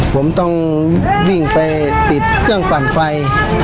ผมต้องวิ่งไปติดเครื่องปั่นไฟ